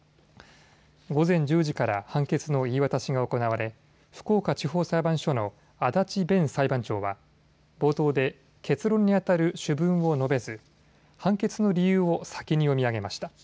午前１０時から判決の言い渡しが行われ福岡地方裁判所の足立勉裁判長は冒頭で結論にあたる主文を述べず判決の理由を先に読み上げました。